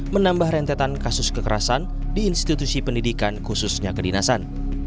menambah rentetan kasus kekerasan di institusi pendidikan khususnya kedinasan